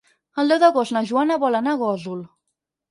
El deu d'agost na Joana vol anar a Gósol.